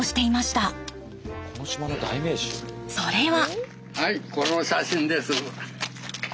それは。